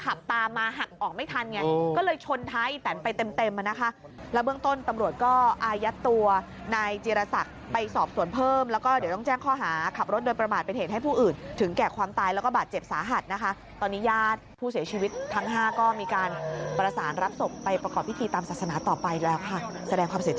ขับตามมาหักออกไม่ทันไงก็เลยชนท้ายแตนไปเต็มเต็มอ่ะนะคะแล้วเบื้องต้นตำรวจก็อายัดตัวนายจีรศักดิ์ไปสอบสวนเพิ่มแล้วก็เดี๋ยวต้องแจ้งข้อหาขับรถโดยประมาทเป็นเหตุให้ผู้อื่นถึงแก่ความตายแล้วก็บาดเจ็บสาหัสนะคะตอนนี้ญาติผู้เสียชีวิตทั้งห้าก็มีการประสานรับศพไปประกอบพิธีตามศาสนาต่อไปแล้วค่ะแสดงความเสีย